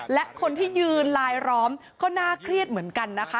และคนที่ยืนลายล้อมก็น่าเครียดเหมือนกันนะคะ